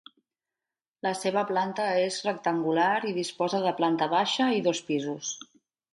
La seva planta és rectangular i disposa de planta baixa i dos pisos.